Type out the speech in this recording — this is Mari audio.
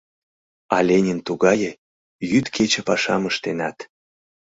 А Ленин тугае — йӱд-кече пашам ыштенат